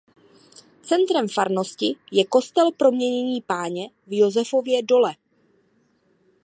Centrem farnosti je kostel Proměnění Páně v Josefově Dole.